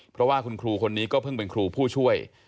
เพราะว่าคุณครูคนนี้ก็เพิ่งเป็นครูผู้ช่วย